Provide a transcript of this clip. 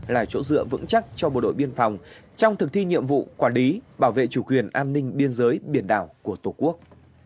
là chỗ dựa vững chắc cho bộ đội biên phòng trong thực thi nhiệm vụ quản lý bảo vệ chủ quyền an ninh biên giới biển đảo của tổ quốc